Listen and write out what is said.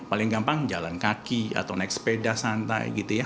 paling gampang jalan kaki atau naik sepeda santai gitu ya